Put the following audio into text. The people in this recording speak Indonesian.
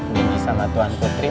deni sama tuhan putri